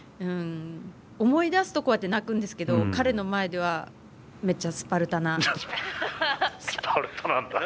思い出すとこうやって泣くんですけど彼の前では、めっちゃスパルタな。